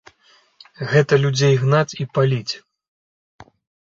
Гэта людзей гнаць і паліць!